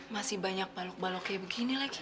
masih banyak balok balok kayak begini lagi